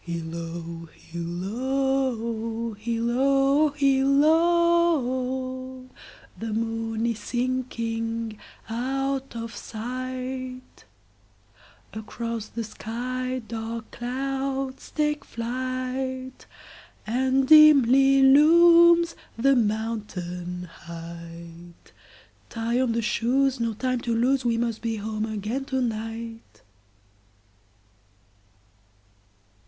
Hilloo, hilloo, hilloo, hilloo! The moon is sinking out of sight, Across the sky dark clouds take flight, And dimly looms the mountain height; Tie on the shoes, no time to lose, We must be home again to night.